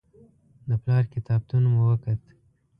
د پلار کتابتون مو وکت.